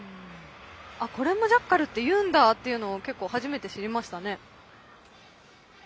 これもジャッカルっていうんだというのを結構、初めて知りましたね。